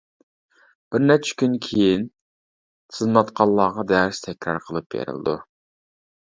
بىر نەچچە كۈن كېيىن تىزىملاتقانلارغا دەرس تەكرار قىلىپ بېرىلىدۇ.